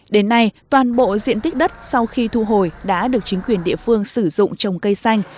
đến nay toàn bộ diện tích đất sau khi thu hồi đã được chính quyền địa phương sử dụng trồng cây xanh